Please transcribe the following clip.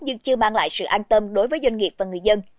nhưng chưa mang lại sự an tâm đối với doanh nghiệp và người dân